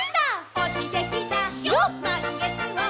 「おちてきたまんげつを」